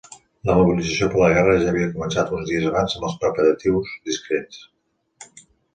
La mobilització per a la guerra ja havia començat uns dies abans amb preparatius discrets.